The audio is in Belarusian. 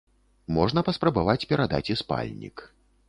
Можна паспрабаваць перадаць і спальнік.